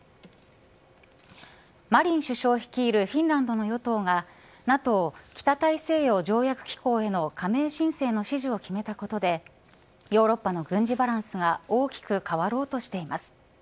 マリン首相率いるフィンランドの与党がＮＡＴＯ北大西洋条約機構への加盟申請を決めたことでヨーロッパの軍事バランスが大きく変わろうとしています。